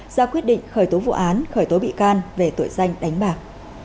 ra quyết định khởi tố vụ án khởi tố bị can về tội danh đánh bạc